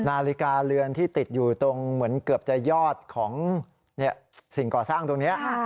นาฬิกาเรือนที่ติดอยู่ตรงเหมือนเกือบจะยอดของสิ่งก่อสร้างตรงนี้